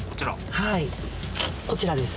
はいこちらです。